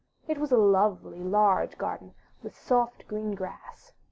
It was a large, lovely garden, with soft, green grass.